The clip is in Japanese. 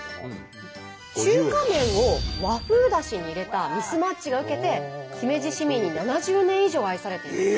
中華麺を和風だしに入れたミスマッチが受けて姫路市民に７０年以上愛されています。